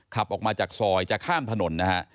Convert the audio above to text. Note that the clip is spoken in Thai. ขับออกมาจากซอยจะข้ามถนนนะฮะ